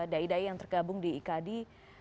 daidai yang tergabung di ikadi